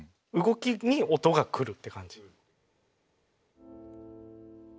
動きに音が来るって感じ。